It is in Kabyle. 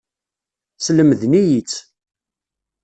Slemden-iyi-tt.